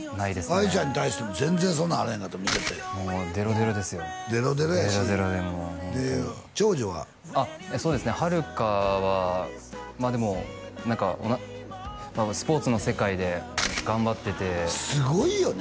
あいちゃんに対しても全然そんなあれへんかったもんもうデロデロですよデロデロやしデロデロでもうホントに長女はそうですね遥加はまあでも何かスポーツの世界で頑張っててすごいよね